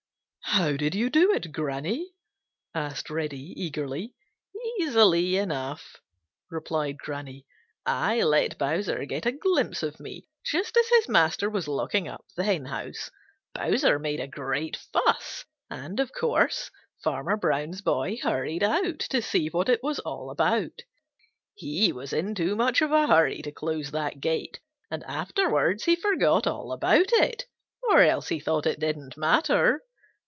"How did you do it, Granny?" asked Reddy eagerly. "Easily enough," replied Granny. "I let Bowser get a glimpse of me just as his master was locking up the henhouse. Bowser made a great fuss, and of course, Farmer Brown's boy hurried out to see what it was all about. He was in too much of a hurry to close that gate, and afterwards he forgot all about it or else he thought it didn't matter.